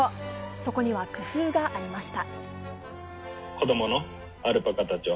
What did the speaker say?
そこには工夫がありました。